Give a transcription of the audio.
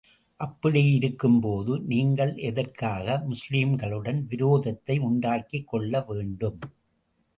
அப்படியிருக்கும் போது, நீங்கள் எதற்காக முஸ்லிம்களுடன் விரோதத்தை உண்டாக்கிக் கொள்ள வேண்டும்?